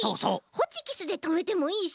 ホチキスでとめてもいいし。